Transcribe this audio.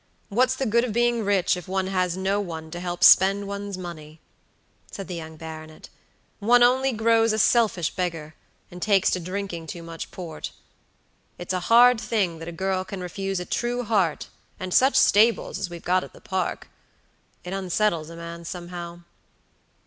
"What's the good of being rich if one has no one to help spend one's money?" said the young baronet. "One only grows a selfish beggar, and takes to drinking too much port. It's a hard thing that a girl can refuse a true heart and such stables as we've got at the park. It unsettles a man somehow."